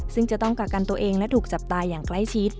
ซึ่งจะต้องกักกันตัวเองและถูกจับตายอย่างใกล้ชิด